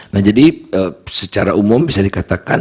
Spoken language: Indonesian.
nah jadi secara umum bisa dikatakan